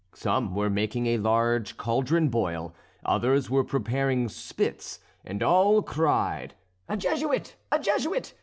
Some were making a large cauldron boil, others were preparing spits, and all cried: "A Jesuit! a Jesuit!